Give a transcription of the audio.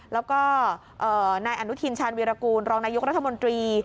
แล้วก็นายอนุทินชาญวีรกูลรองนายกรัฐมนตรี